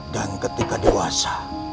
dan ketika dewasa